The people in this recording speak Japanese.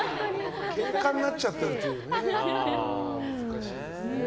けんかになっちゃってるというね。